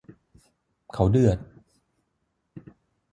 เขาเดือด